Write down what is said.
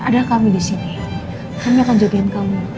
ada kami disini kami akan jadikan kamu